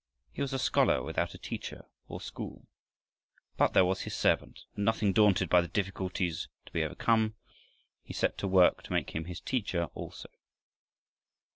He was a scholar without a teacher or school. But there was his servant, and nothing daunted by the difficulties to be overcome, he set to work to make him his teacher also.